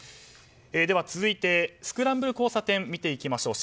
続いて渋谷スクランブル交差点見ていきましょう。